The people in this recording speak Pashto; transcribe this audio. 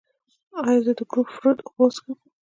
ایا زه د ګریپ فروټ اوبه وڅښم؟